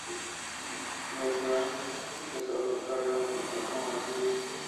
Wolfgang empezó su carrera musical como batería.